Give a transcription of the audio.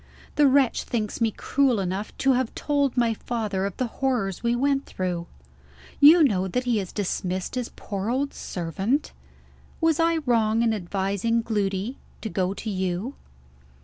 The wretch thinks me cruel enough to have told my father of the horrors we went through! You know that he has dismissed his poor old servant? Was I wrong in advising Gloody to go to you?"